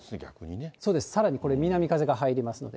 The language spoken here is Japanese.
そうです、さらにこれ、南風が入りますので。